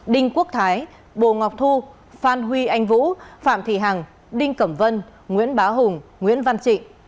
đinh quốc thái bồ ngọc thu phan huy anh vũ phạm thị hằng đinh cẩm vân nguyễn bá hùng nguyễn văn trịnh